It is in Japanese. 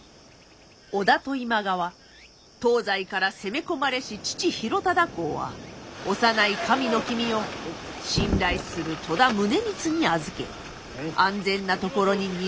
織田と今川東西から攻め込まれし父広忠公は幼い神の君を信頼する戸田宗光に預け安全な所に逃がすことに。